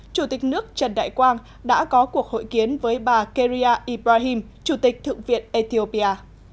chủ tịch nước trần đại quang đã có cuộc hội kiến với bà kerrya ibrahim chủ tịch thượng viện ethiopia